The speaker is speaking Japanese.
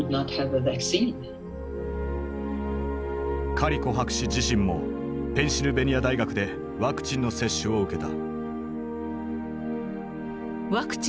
カリコ博士自身もペンシルベニア大学でワクチンの接種を受けた。